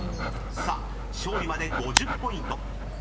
［さあ勝利まで５０ポイント］